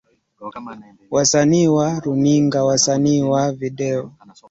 wasanii wa runinga wasanii wa video